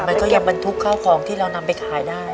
มันก็ยังบรรทุกข้าวของที่เรานำไปขายได้